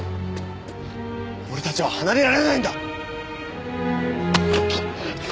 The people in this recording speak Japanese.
俺たちは離れられないんだ！